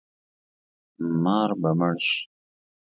مار به مړ شي